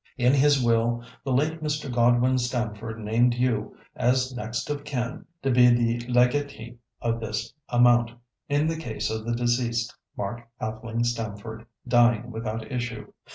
"In his will, the late Mr. Godwin Stamford named you, as next of kin, to be the legatee of this amount, in the case of the deceased Mark Atheling Stamford dying without issue.